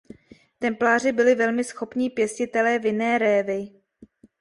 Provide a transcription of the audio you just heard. Templáři byli velmi schopní pěstitelé vinné révy.